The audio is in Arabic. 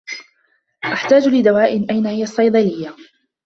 أحتاج لدواء. أين هي الصّيدليّة؟